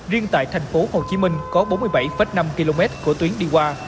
riêng tại thành phố hồ chí minh có bốn mươi bảy năm km của tuyến đi qua